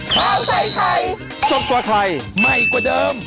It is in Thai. ข้าวใส่ไทยสดกว่าไทยใหม่กว่าเดิม